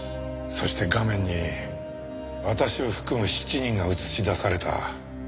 そして画面に私を含む７人が映し出された。